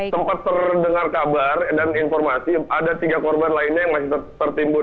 sempat terdengar kabar dan informasi ada tiga korban lainnya yang masih tertimbun